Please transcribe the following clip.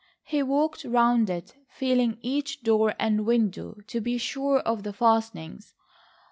He walked round it, feeling each door and window to be sure of the fastenings.